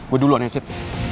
gue duluan ya sid